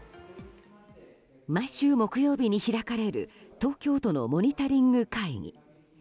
毎週木曜日に開かれる東京都のモニタリング会議。